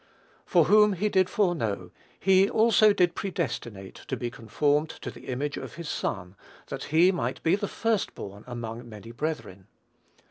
"For whom he did foreknow, he also did predestinate to be conformed to the image of his Son, that he might be the first born among many brethren.